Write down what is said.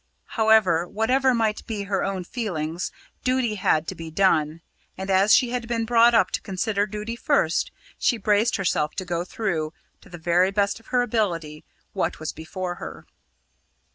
However, whatever might be her own feelings, duty had to be done, and as she had been brought up to consider duty first, she braced herself to go through, to the very best of her ability, what was before her.